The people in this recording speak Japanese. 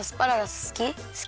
すき。